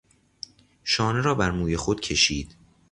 شانه را بر موی خود کشید.